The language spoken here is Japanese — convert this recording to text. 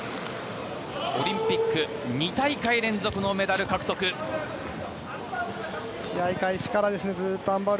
オリンピック２大会連続のメダル獲得、アン・バウル。